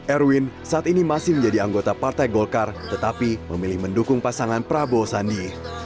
erwin saat ini masih menjadi anggota partai golkar tetapi memilih mendukung pasangan prabowo sandi